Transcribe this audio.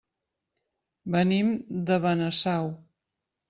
Venim de Benasau.